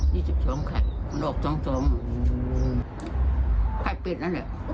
ี่สิบสองไข่ลวกสองสมอืมไข่เป็ดนั่นแหละ